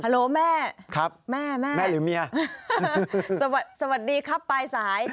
ฮัลโหลแม่แม่หรือเมียครับครับสวัสดีครับปลายสาย